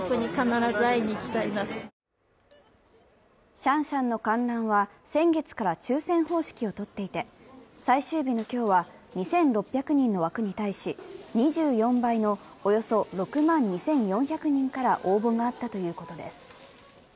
シャンシャンの観覧は先月から抽選方式を取っていて、最終日の今日は２６００人の枠に対しおよそ６万２４００人から応募があったということです。